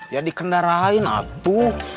ya dikendarain atu